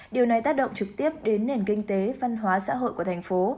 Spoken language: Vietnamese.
điều này tác động trực tiếp đến nền kinh tế văn hóa xã hội của thành phố